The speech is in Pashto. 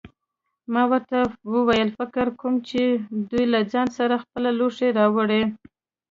ما ورته وویل: فکر کوم چې دوی له ځان سره خپل لوښي راوړي.